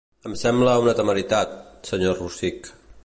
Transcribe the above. Em sembla una temeritat, senyor Rossich.